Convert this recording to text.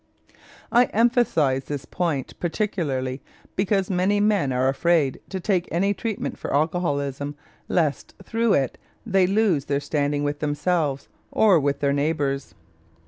I emphasize this point particularly because many men are afraid to take any treatment for alcoholism lest through it they lose their standing with themselves or with their neighbors.